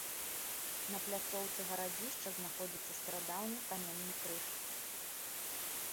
На пляцоўцы гарадзішча знаходзіцца старадаўні каменны крыж.